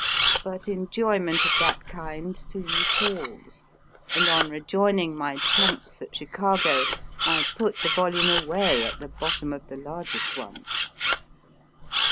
But enjoyment of that kind soon palls, and on rejoining my trunks at Chicago I put the volume away at the bottom of the largest one.